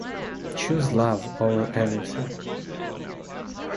Choose love over everything.